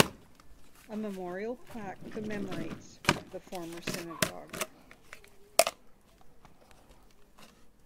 A memorial plaque commemorates the former synagogue.